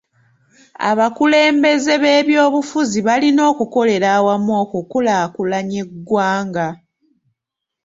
Abakulembeze b'ebyobufuzi balina okukolera awamu okukulaakulanya eggwanga.